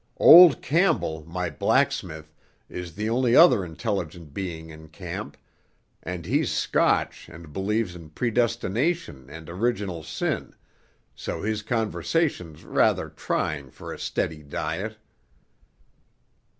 Old Campbell, my blacksmith, is the only other intelligent being in camp, and he's Scotch and believes in predestination and original sin, so his conversation's rather trying for a steady diet."